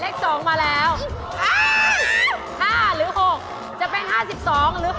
เลขสองมาแล้ว๕หรือ๖จะเป็น๕๒หรือ๖๑๒